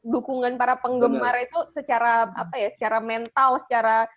dukungan para penggemar itu secara mental